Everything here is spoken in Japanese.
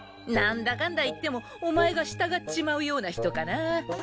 何だかんだいってもお前が従っちまうような人かな。